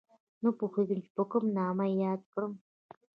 نه پوهېږم چې په کوم نامه یې یاد کړم